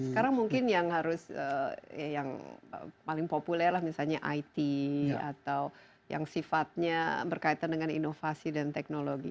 sekarang mungkin yang harus yang paling populer lah misalnya it atau yang sifatnya berkaitan dengan inovasi dan teknologi